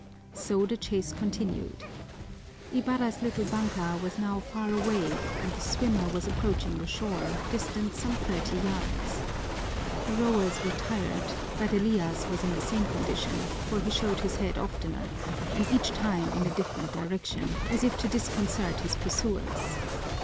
So the chase continued. Ibarra's little banka was now far away and the swimmer was approaching the shore, distant some thirty yards. The rowers were tired, but Elias was in the same condition, for he showed his head oftener, and each time in a different direction, as if to disconcert his pursuers.